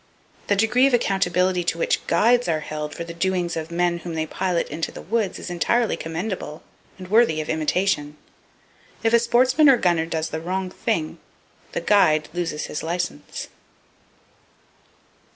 The degree of accountability to which guides are held for the doings of the men whom they pilot into the woods is entirely commendable, and worthy of imitation. If a sportsman or gunner does the wrong thing, the guide loses his license.